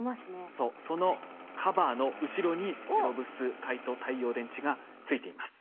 そのカバーの後ろにペロブスカイト太陽電池がついています。